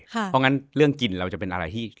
เพราะงั้นเรื่องกินเราจะเป็นอะไรที่